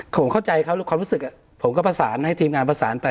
ผมเข้าใจเขาความรู้สึกผมก็ประสานให้ทีมงานประสานไป